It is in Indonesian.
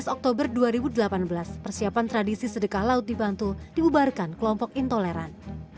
tujuh belas oktober dua ribu delapan belas persiapan tradisi sedekah laut di bantul dibubarkan kelompok intoleran